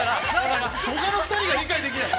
他の２人が理解できない。